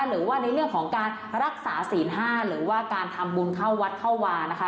หรือว่าในเรื่องของการรักษาศีล๕หรือว่าการทำบุญเข้าวัดเข้าวานะคะ